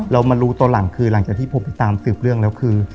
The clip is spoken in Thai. เรามารู้ตอนหลังคือหลังจากที่ผมไปตามสืบเรื่องแล้วคือ